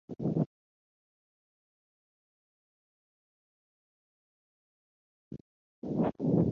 He worked on endocrinology and used the Xenopus frog.